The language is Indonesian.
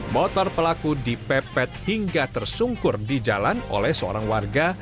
motor pelaku dipepet hingga tersungkur di jalan oleh seorang warga